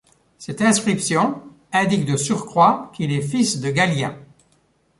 Cette inscription indique de surcroit qu'il est fils de Gallien.